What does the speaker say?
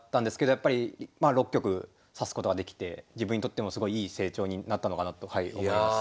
やっぱりまあ６局指すことができて自分にとってもすごいいい成長になったのかなとはい思います。